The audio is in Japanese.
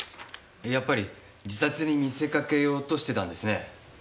やっぱり自殺に見せかけようとしてたんですね。